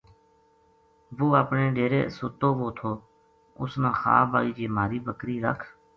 وہ اپنے ڈیرے سُتو وو تھو اس نا خواب آئی جے مھاری بکری رکھ